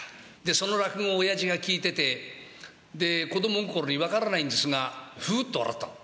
その落語を親父が聴いていて子供心に分からないんですがふふっと笑ったの。